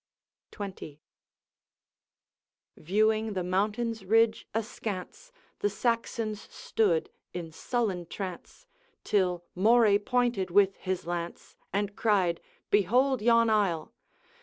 XX. 'Viewing the mountain's ridge askance, The Saxons stood in sullen trance, Till Moray pointed with his lance, And cried: "Behold yon isle!